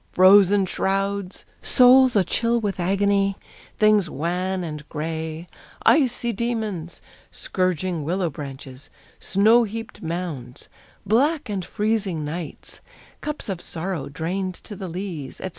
Frozen shrouds, souls a chill with agony, things wan and gray, icy demons, scourging willow branches, snow heaped mounds, black and freezing nights, cups of sorrow drained to the lees, etc.